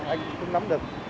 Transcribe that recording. anh cũng không nắm được